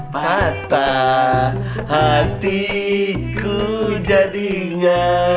patah hatiku jadinya